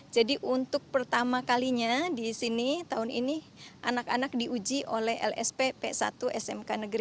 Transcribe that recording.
jadi untuk pertama kalinya di sini tahun ini anak anak diuji oleh lsp p satu smk negeri lima puluh tujuh